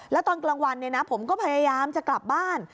แล้วตอนกลางวันผมก็พยายามจะกลับบ้าน